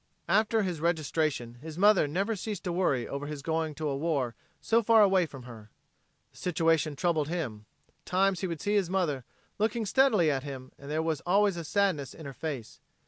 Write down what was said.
After his registration his mother had never ceased to worry over his going to a war so far away from her. The situation troubled him. At times he would see his mother looking steadily at him, and there was always a sadness in her face.